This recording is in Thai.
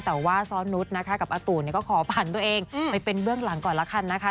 แต่ว่าซ้อนนุสกับอาตูนก็ขอผ่านตัวเองไปเป็นเบื้องหลังก่อนแล้วค่ะ